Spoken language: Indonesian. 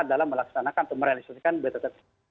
adalah melaksanakan dan merealisasikan btt